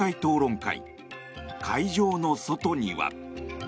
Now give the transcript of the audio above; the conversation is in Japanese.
会場の外には。